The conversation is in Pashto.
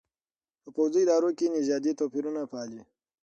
په پوځي ادارو کې نژادي توپېرونه پالي.